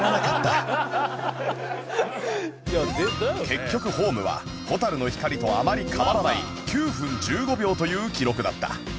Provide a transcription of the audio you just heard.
結局『ｈｏｍｅ』は『蛍の光』とあまり変わらない９分１５秒という記録だった